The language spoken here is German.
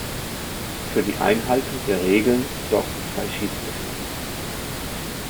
Für die Einhaltung der Regeln sorgten zwei Schiedsrichter.